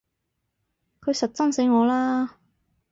佢實憎死我啦！